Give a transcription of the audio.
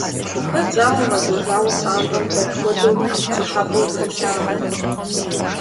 Куэд щӀакъым къэкӀуэжауэ пщӀантӀэм дэт хуэдэу пщӀыхьэпӀэу зэрилъагъурэ.